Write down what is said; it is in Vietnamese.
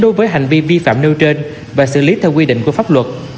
đối với hành vi vi phạm nêu trên và xử lý theo quy định của pháp luật